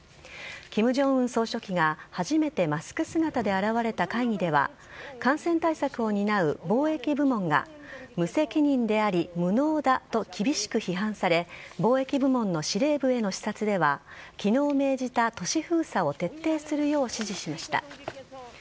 金正恩総書記が初めてマスク姿で現れた会議では感染対策を担う防疫部門が無責任であり、無能だと厳しく批判され防疫部門の司令部への視察では昨日命じた都市封鎖を徹底するよう指示しました。